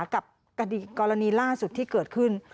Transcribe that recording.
กับกรณีล่าสุดที่เกิดขึ้น